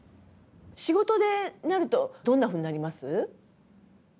仕事でなるとどんなふうになります？